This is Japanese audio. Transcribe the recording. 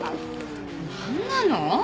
何なの？